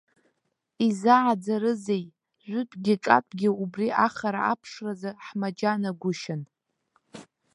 Изааӡарызеи, жәытәгьы-ҿатәгьы убри ахара аԥшразы ҳмаџьанагәышьан.